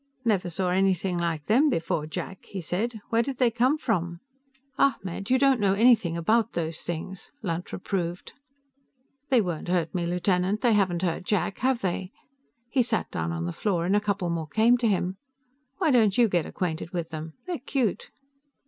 "Never saw anything like them before, Jack," he said. "Where did they come from?" "Ahmed; you don't know anything about those things," Lunt reproved. "They won't hurt me, Lieutenant; they haven't hurt Jack, have they?" He sat down on the floor, and a couple more came to him. "Why don't you get acquainted with them? They're cute."